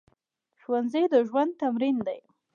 ښوونځی د ژوند تمرین دی